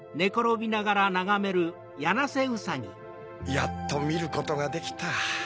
やっとみることができた。